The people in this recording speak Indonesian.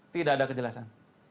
tidak ada kejelasan